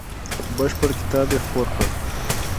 بشپړ کتاب یې خپور کړ.